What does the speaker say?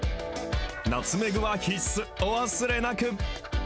ナツメグは必須、お忘れなく。